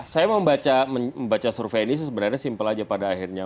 saya membaca survei ini sebenarnya simpel aja pada akhirnya